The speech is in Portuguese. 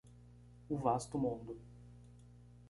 O vasto mundo